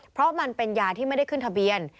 เพราะมันเป็นยาที่ไม่ได้ขึ้นทะเบียน